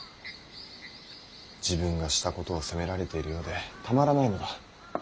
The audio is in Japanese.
自分がしたことを責められているようでたまらないのだ。